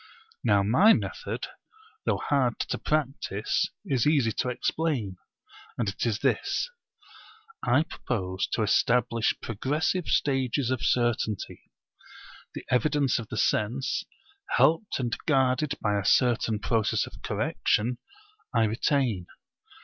Now my method, though hard to practise, is easy to explain; and it is this. I propose to establish progressive stages of certainty. The evidence of the sense, helped and guarded by a certain process of correction, I retain.